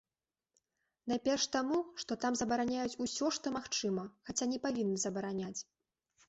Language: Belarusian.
Найперш таму, што там забараняюць усё, што магчыма, хаця не павінны забараняць.